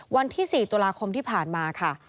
วันที่๔ตุลาคมที่ผ่านมาค่ะ